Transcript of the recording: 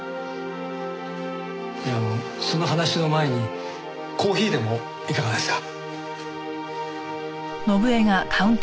いやあのその話の前にコーヒーでもいかがですか？